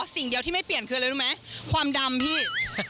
สิ่งเดียวที่ไม่เปลี่ยนคืออะไรรู้ไหมความดำพี่